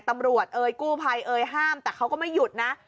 เอ่ยกู้ภัยเอ่ยห้ามแต่เขาก็ไม่หยุดนะ